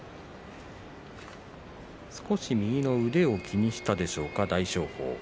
少し右の腕を気にしたでしょうか、大翔鵬。